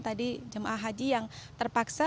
tadi jemaah haji yang terpaksa